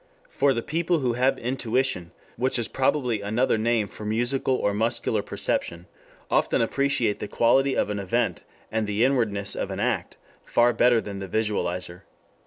For the people who have intuition, which is probably another name for musical or muscular perception, often appreciate the quality of an event and the inwardness of an act far better than the visualizer.